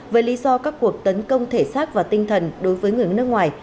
với lý do các cuộc tấn công thể xác và tinh thần đối với người nước ngoài